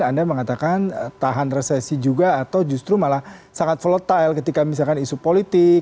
anda mengatakan tahan resesi juga atau justru malah sangat volatile ketika misalkan isu politik